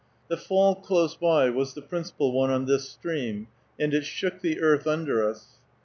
The fall close by was the principal one on this stream, and it shook the earth under us.